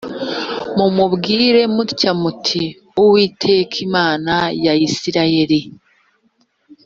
mumubwire mutya muti uwiteka imana ya isirayeli